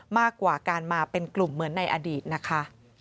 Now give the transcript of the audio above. มากกว่าการมาเป็นกลุ่มเหมือนในอดีตนะคะ